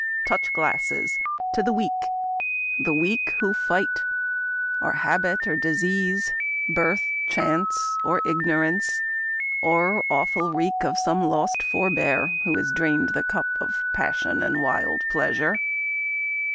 Touch glasses! To the Weak! The Weak who fight : or habit or disease, Birth, chance, or ignorance — or awful wreak Of some lost forbear, who has drained the cup Of pagsion and wild pleasure